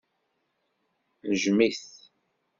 Nejjem-it.